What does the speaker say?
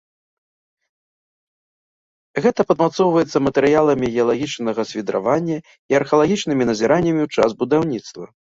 Гэта падмацоўваецца матэрыяламі геалагічнага свідравання і археалагічнымі назіраннямі ў час будаўніцтва.